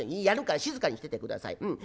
やるから静かにしててください。